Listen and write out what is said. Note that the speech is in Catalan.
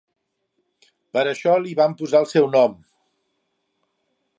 Per això li vam posar el seu nom.